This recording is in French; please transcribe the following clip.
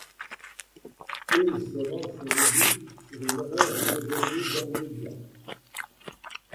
Freese se rend sur les buts sur une erreur du deuxième but Dan Uggla.